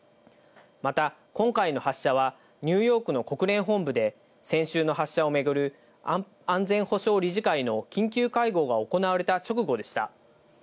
また今回の発射は、ニューヨークの国連本部で先週の発射を巡る安全保障理事会の緊急会合が行われた直後でした。